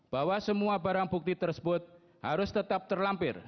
bahwa semua barang bukti tersebut harus tetap terlampir